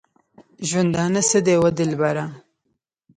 ژوندونه څه دی وه دلبره؟